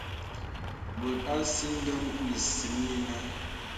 Bòt à sìdòn lìsɛm yìnə̀.